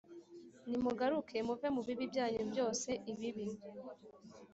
Nimugaruke muve mu bibi byanyu byose ibibi